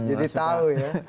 jadi tahu ya